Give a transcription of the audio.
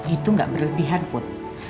itu nggak berlebihan put